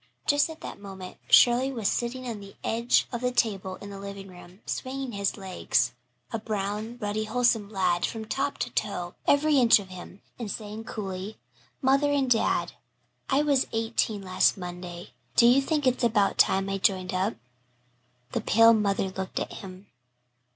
Just at that moment Shirley was sitting on the edge of the table in the living room, swinging his legs a brown, ruddy, wholesome lad, from top to toe, every inch of him and saying coolly, "Mother and dad, I was eighteen last Monday. Don't you think it's about time I joined up?" The pale mother looked at him.